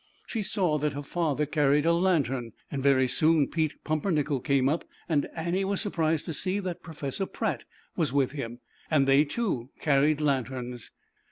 She saw that her father carried a lantern, and very soon Pete Pumpernickel came up, and Annie was surprised to see that Professor Pratt was with him, and they, too, carried lanterns.